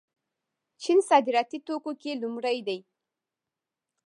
چین صادراتي توکو کې لومړی دی.